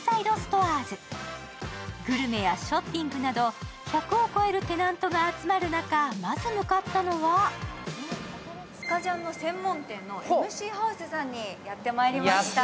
グルメやショッピングなど１００を超えるテナントが集まる中、まず向かったのはスカジャンの専門店のＭＣハウスさんにやってまいりました。